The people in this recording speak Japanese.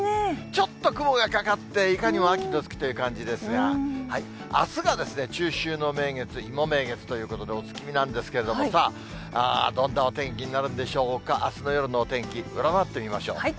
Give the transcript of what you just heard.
ちょっと雲がかかって、いかにも秋の月という感じですが、あすが中秋の名月、芋名月ということで、お月見なんですけれども、どんなお天気になるんでしょうか、あすの夜のお天気、占ってみましょう。